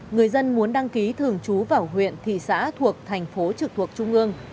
người dân muốn đăng ký thường trú vào huyện thị xã thuộc thành phố trực thuộc trung ương